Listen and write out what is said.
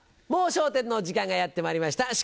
『もう笑点』の時間がやってまいりました。